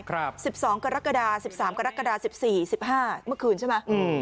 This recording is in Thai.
ครับ๑๒กรกฎา๑๓กรกฎา๑๔๑๕เมื่อคืนใช่ไหม